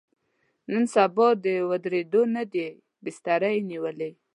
نن سبا د ودرېدو نه دی، بستره یې نیولې.